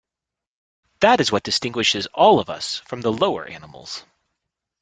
That is what distinguishes all of us from the lower animals.